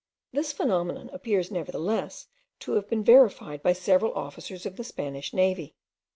This phenomenon appears nevertheless to have been verified by several officers of the Spanish navy.